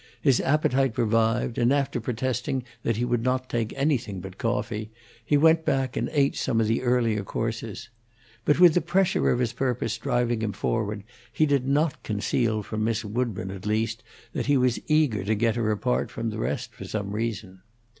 His appetite revived, and, after protesting that he would not take anything but coffee, he went back and ate some of the earlier courses. But with the pressure of his purpose driving him forward, he did not conceal from Miss Woodburn, at least, that he was eager to get her apart from the rest for some reason.